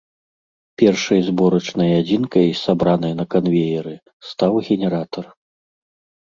Першай зборачнай адзінкай, сабранай на канвееры, стаў генератар.